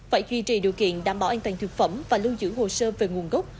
phải duy trì điều kiện đảm bảo an toàn thực phẩm và lưu giữ hồ sơ về nguồn gốc